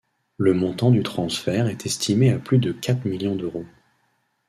Le montant du transfert est estimé à plus de quatre millions d'euros.